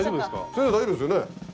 先生大丈夫ですよね？